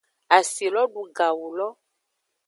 Asi lo du gawu lo.